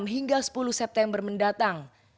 enam hingga sepuluh september mendatang